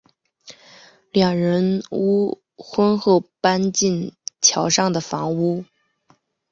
两人婚后搬进桥上的房屋。